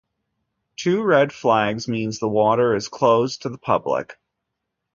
Two red flags means the water is closed to the public.